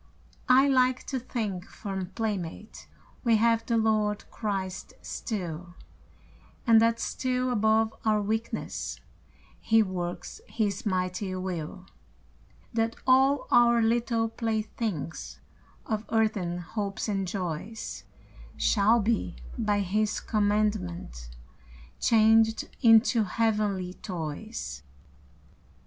I like to think, for playmate We have the Lord Christ still, And that still above our weakness He works His mighty will, That all our little playthings Of earthen hopes and joys Shall be, by His commandment, Changed into heavenly toys.